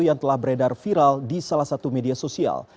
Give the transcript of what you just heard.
yang telah beredar viral di salah satu media sosial